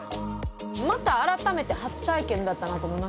また改めて初体験だったなと思いました。